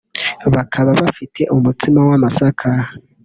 bakaba bafite umutsima w’amasaka